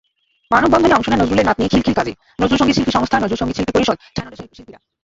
মানববন্ধনে অংশ নেন নজরুলের নাতনি খিলখিল কাজী, নজরুলসংগীতশিল্পী সংস্থা, নজরুলসংগীতশিল্পী পরিষদ, ছায়ানটের শিল্পীরা।